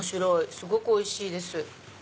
すごくおいしいです。